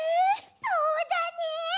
そうだね！